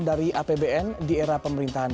dari apbn di era pemerintahan